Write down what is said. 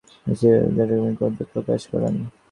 তিনি সিজারিজমো ডেমোক্রেটিকো গ্রন্থ প্রকাশ করেন।